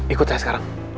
ikut saya sekarang